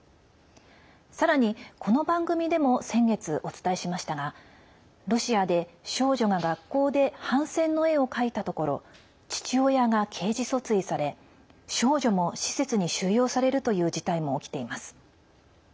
さらに、この番組でも先月お伝えしましたがロシアで、少女が学校で反戦の絵を描いたところ父親が刑事訴追され少女も施設に収容されるという事態も起きています。